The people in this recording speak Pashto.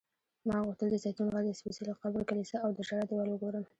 ما غوښتل د زیتون غر، د سپېڅلي قبر کلیسا او د ژړا دیوال وګورم.